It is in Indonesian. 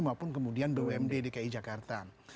maupun kemudian bumd dki jakarta